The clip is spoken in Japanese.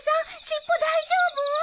尻尾大丈夫？